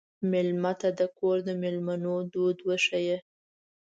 مېلمه ته د کور د مېلمنو دود وښیه.